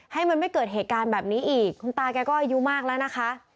ให้มันไม่เกิดเหตุการณ์แบบนี้อีกคุณตาแกก็อายุมากแล้วนะคะ